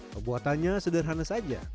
pembuatannya sederhana saja